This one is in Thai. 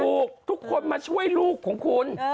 ทุกคนมาช่วยลูกของคุณ